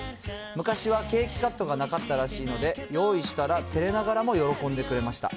昔はケーキカットがなかったらしいので、用意したら、てれながらも喜んでくれました。